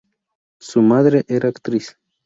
Su madre era actriz.